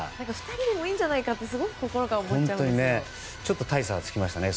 ２人でもいいんじゃないかって本当に心から思っちゃいますね。